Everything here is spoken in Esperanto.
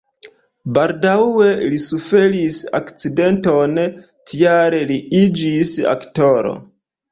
Baldaŭe li suferis akcidenton, tial li iĝis aktoro.